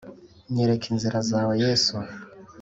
nyereka inzira zawe yesu